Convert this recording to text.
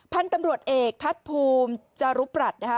พันธุ์ตำรวจเอกทัศน์ภูมิจารุปรัสนะคะ